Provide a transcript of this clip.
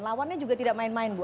lawannya juga tidak main main bu